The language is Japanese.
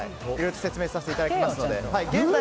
説明させていただきますので。